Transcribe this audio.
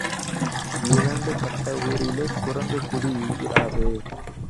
இரண்டு பட்ட ஊரிலே குரங்கும் குடி இராது.